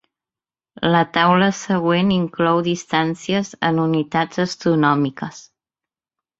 La taula següent inclou distàncies en unitats astronòmiques.